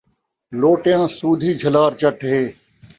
لوٹیاں سودھی جھلار چٹ ہے